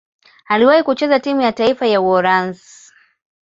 Aliwahi kucheza timu ya taifa ya Uholanzi.